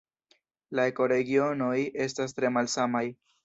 La ekoregionoj estas tre malsamaj.